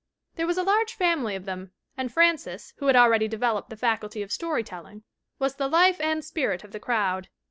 There was a large family of them, and Frances, who had already developed the faculty of story telling, was the life and spirit of the crowd.